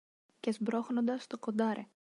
και σπρώχνοντας το κοντάρι